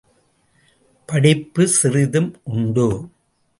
படிப்பு சிறிது உண்டு.